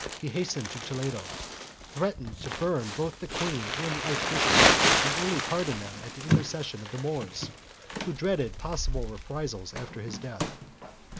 He has tened to Toledo, threatening to burn both the queen and the archbishop, and only pardoned them at the intercession of the Moors, who dreaded possible reprisals after his death.